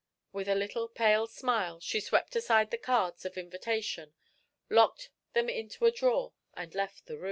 With a little pale smile, she swept aside the cards of invitation, locked them into a drawer and left the room.